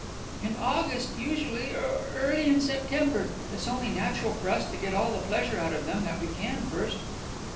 "In August usually or early in September. It's only natural for us to get all the pleasure out of them that we can first."